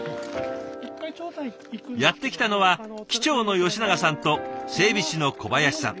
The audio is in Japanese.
やって来たのは機長の吉長さんと整備士の小林さん。